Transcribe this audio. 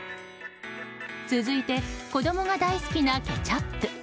続いて子供が大好きなケチャップ。